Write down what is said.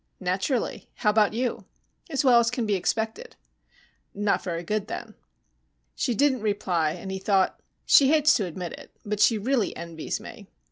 "Naturally. How about you?" "As well as can be expected." "Not very good, then." She didn't reply, and he thought, _She hates to admit it, but she really envies me.